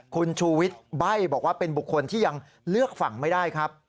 คุณชูวิทย์ใบ้บอกว่าเป็นบุคคลที่ยังเลือกฝั่งไม่ได้ครับ